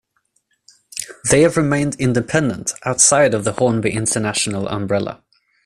They have remained independent outside of the Hornby International umbrella.